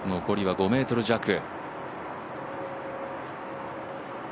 残りは５ｍ弱。